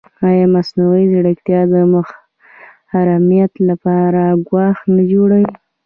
ایا مصنوعي ځیرکتیا د محرمیت لپاره ګواښ نه جوړوي؟